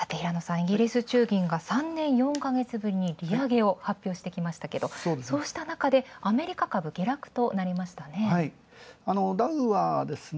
イギリス中銀が３年４ヶ月ぶりに利上げ、発表しましたが、そうしたなかでアメリカ株下落となりましたね。